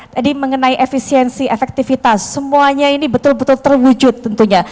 jadi mengenai efisiensi efektivitas semuanya ini betul betul terwujud tentunya